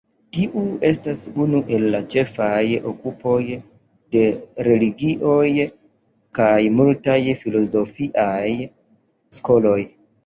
Tiu estas unu el la ĉefaj okupoj de religioj kaj multaj filozofiaj skoloj.